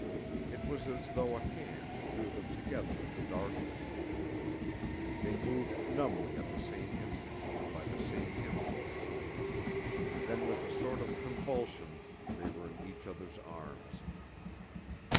It was as though a hand drew them together in the darkness; they moved numbly at the same instant, by the same impulse; then with a sort of convulsion they were in each other's arms.